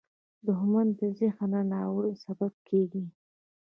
• دښمني د ذهني ناورین سبب کېږي.